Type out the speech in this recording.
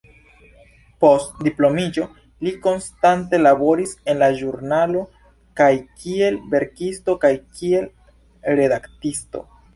Post diplomiĝo li konstante laboris en la ĵurnalo, kaj kiel verkisto kaj kiel redaktisto.